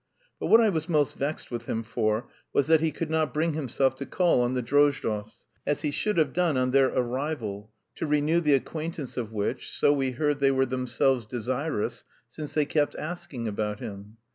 But what I was most vexed with him for was that he could not bring himself to call on the Drozdovs, as he should have done on their arrival, to renew the acquaintance of which, so we heard they were themselves desirous, since they kept asking about him.